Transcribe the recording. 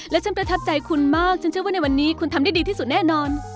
และฉันประทับใจคุณมากฉันเชื่อว่าในวันนี้คุณทำได้ดีที่สุดแน่นอน